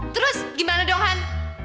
terus gimana dong han